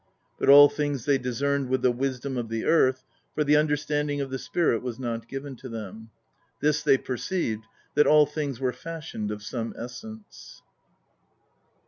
But all things they discerned with the wisdom of the earth, for the understanding of the spirit was not given to them ; this they perceived, that all things were fashioned of some essence.